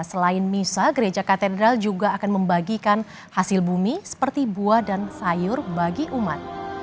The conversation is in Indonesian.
selain misa gereja katedral juga akan membagikan hasil bumi seperti buah dan sayur bagi umat